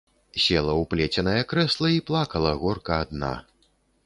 Села ў плеценае крэсла і плакала горка адна.